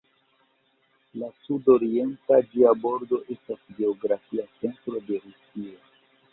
La sud-orienta ĝia bordo estas geografia centro de Rusio.